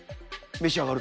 召し上がる。